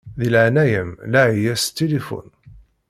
Di leɛnaya-m laɛi-yas s tilifun.